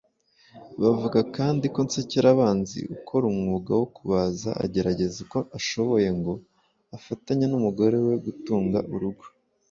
Bavuga kandi ko Nsekerabanzi ukora umwuga wo kubaza agerageza uko ashoboye ngo afatanye n’umugore we gutunga urugo